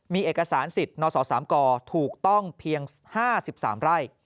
มีเอกสารสิทธิ์นศ๓กถูกต้องเพียง๕๓ไร่